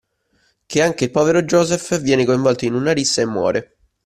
Che anche il povero Joseph viene coinvolto in una rissa e muore.